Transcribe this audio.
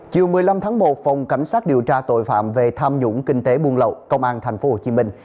chiều một mươi năm tháng một phòng cảnh sát điều tra tội phạm về tham nhũng kinh tế buôn lậu công an thành phố hồ chí minh